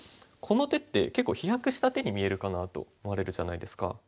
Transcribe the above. この手って結構飛躍した手に見えるかなと思われるじゃないですか。